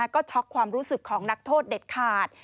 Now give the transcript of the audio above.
ก็ช็อกความรู้สึกของนักโทษเด็ดขาด